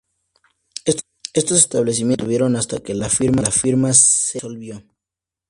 Estos establecimientos se mantuvieron hasta que la firma se disolvió.